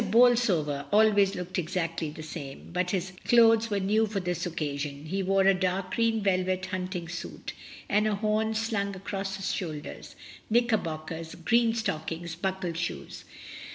Bolsover al ways looked exactly the same, but his clothes were new for this occasion; he wore a dark green velvet hunting suit, with a horn slung across his shoulders, knickerbockers, green stockings, buckled shoes.